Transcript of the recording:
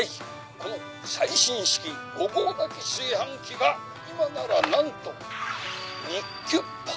この最新式５合炊き炊飯器が今なら何とニッキュッパ。